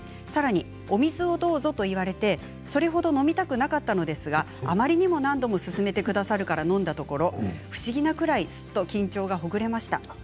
さらにお水をどうぞと言われてそれほど飲みたくなかったのですがあまりにも何度もすすめてくださるから、飲んだところ不思議なぐらいすっと緊張がほぐれました。